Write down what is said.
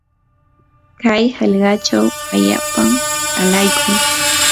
kay hallqachaw allaapam alaykun.